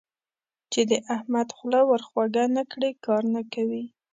چې د احمد خوله ور خوږه نه کړې؛ کار نه کوي.